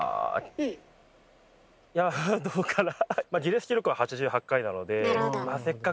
いやどうかな。